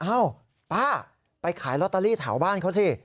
เอ้าป้าไปขายลอตเตอรี่แถวบ้านเขาสิ